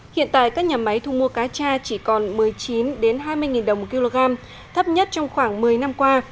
hiện tại các nhà máy thu mua cá tra chỉ còn một mươi chín hai mươi đồng một kg thấp nhất trong khoảng một mươi năm qua